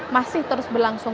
masih terus berlangsung